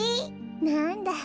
なんだ。